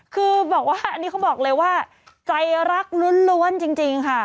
คือบอกว่าอันนี้เขาบอกเลยว่าใจรักล้วนจริงค่ะ